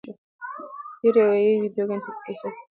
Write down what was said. ډېرې اې ای ویډیوګانې ټیټ کیفیت لري.